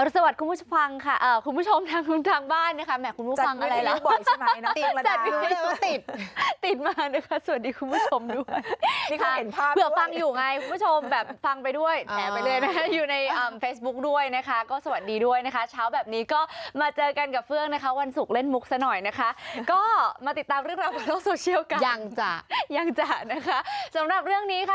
สวัสดีคุณผู้ชมทางบ้านคุณผู้ชมทางบ้านคุณผู้ชมทางบ้านคุณผู้ชมทางบ้านคุณผู้ชมทางบ้านคุณผู้ชมทางบ้านคุณผู้ชมทางบ้านคุณผู้ชมทางบ้านคุณผู้ชมทางบ้านคุณผู้ชมทางบ้านคุณผู้ชมทางบ้านคุณผู้ชมทางบ้านคุณผู้ชมทางบ้านคุณผู้ชมทางบ้านคุณผู้ชมทางบ้านคุณผู้ชมทางบ้านคุณผู้ชมทางบ้านคุณผู้ชมทางบ้านค